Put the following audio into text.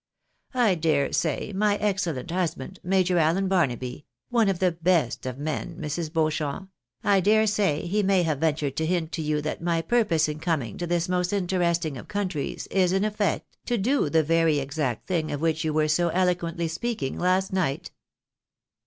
I dare say my excellent husband. Major Allen Barnaby — one of the best of men, Mrs. Beauchamp — I dare say he may have ventured to hint to you that my purpose in coming to this most interesting of countries is, in effect, to do the very exact thing of which you were so eloquently speaking last night?"